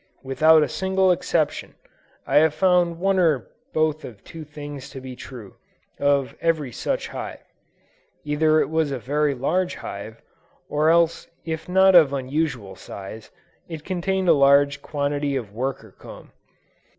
Without a single exception, I have found one or both of two things to be true, of every such hive. Either it was a very large hive, or else if not of unusual size, it contained a large quantity of worker comb.